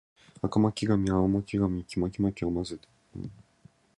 赤巻紙、青巻紙、黄巻紙を混ぜ合わせて巻きます